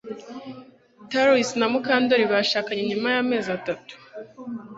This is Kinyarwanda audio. Trix na Mukandoli bashakanye nyuma yamezi atatu